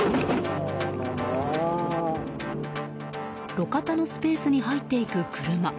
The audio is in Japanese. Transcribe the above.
路肩のスペースに入っていく車。